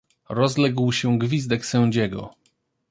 Rozległ się gwizdek sędziego.